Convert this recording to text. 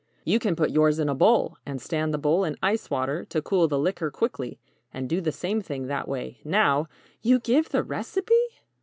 "You can put yours in a bowl, and stand the bowl in ice water to cool the liquor quickly, and do the same thing that way, now " "You give the recipe?"